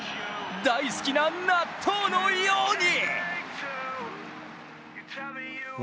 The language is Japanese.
大好きな納豆のように！